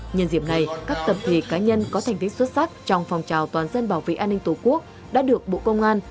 nhân dịp này các tập thể cá nhân có thành tích xuất sắc trong phòng trào toàn dân bảo vệ an ninh tổ quốc đã được bộ công an